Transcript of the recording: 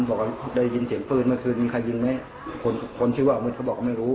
บอกว่าได้ยินเสียงปืนเมื่อคืนมีใครยิงไหมคนคนชื่อว่ามืดเขาบอกว่าไม่รู้